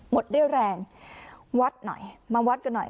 ดเรี่ยวแรงวัดหน่อยมาวัดกันหน่อย